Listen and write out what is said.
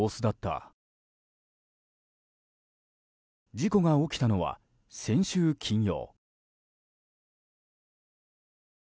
事故が起きたのは先週金曜。